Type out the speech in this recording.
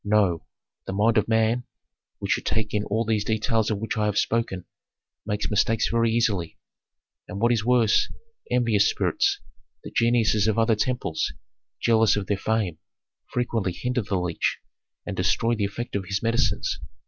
"No. The mind of man, which should take in all these details of which I have spoken, makes mistakes very easily. And what is worse, envious spirits, the geniuses of other temples, jealous of their fame, frequently hinder the leech and destroy the effect of his medicines.